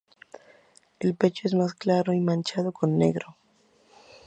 El pecho es más claro y manchado con negro.